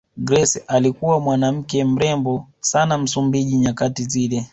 Grace alikuwa mwanawake mrembo sana Msumbiji nyakati zile